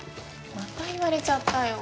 また言われちゃったよ。